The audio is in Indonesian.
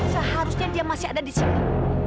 seharusnya dia masih ada di sini